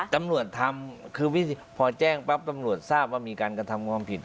ตำรวจทำคือพอแจ้งปั๊บตำรวจทราบว่ามีการกระทำความผิด